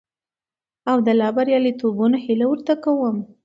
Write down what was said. او د لا برياليتوبونو هيله ورته کوم.